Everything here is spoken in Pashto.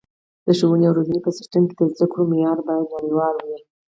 د ښوونې او روزنې په سیستم کې د زده کړو معیار باید نړیوال وي.